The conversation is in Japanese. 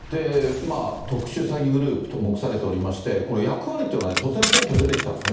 特殊詐欺グループと目されておりまして、これ、役割というのは突然ぽんと出てきたんですね。